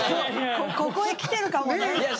ここへ来てるかもね。